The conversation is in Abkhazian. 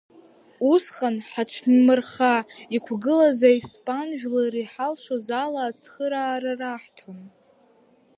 Усҟан хацәнмырха иқәгылаз аиспан жәлар иҳалшоз ала ацхыраара раҳҭон.